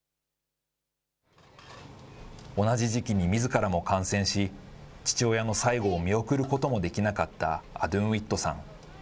同じ時期にみずからも感染し、父親の最期を見送ることもできなかったアドゥンウィットさん。